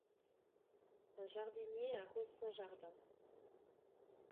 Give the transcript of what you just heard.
Un jardinier arrose son jardin.